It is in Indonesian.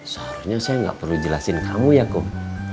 seharusnya saya gak perlu jelasin kamu ya kum